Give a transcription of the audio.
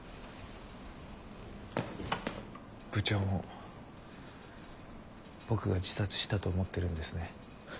部長も僕が自殺したと思ってるんですね。